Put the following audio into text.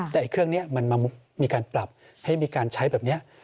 แต่เครื่องนี้มันมีการปรับให้มีการใช้แบบนี้